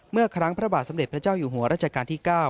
เมื่อครั้งพระบาทสมเด็จพระเจ้าอยู่หัวรัชกาลที่๙